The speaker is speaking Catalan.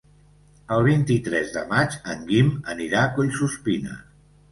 El vint-i-tres de maig en Guim anirà a Collsuspina.